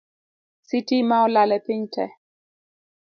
Sitima olal e piny tee